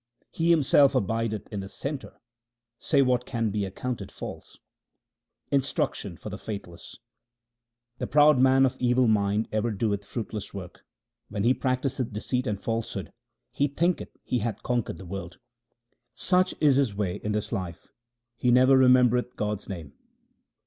He Himself abideth in the centre ; say what can be accounted false ? Instruction for the faithless :— The proud man of evil mind ever doeth fruitless work. When he practiseth deceit and falsehood, he thinketh he hath conquered the world. Such is his way in this life ; he never remembereth God's name.